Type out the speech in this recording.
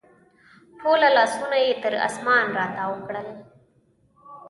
ټوله لاسونه یې تر اسمان راتاو کړل